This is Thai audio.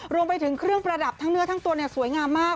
รวมไปถึงเครื่องประดับทั้งเนื้อทั้งตัวสวยงามมาก